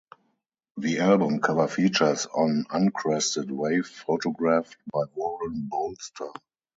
The album cover features an uncrested wave photographed by Warren Bolster.